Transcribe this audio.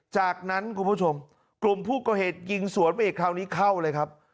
จากนั้นคุณผู้ชมกลุ่มผู้ก่อเหตุยิงสวนไปอีกคราวนี้เข้าเลยครับ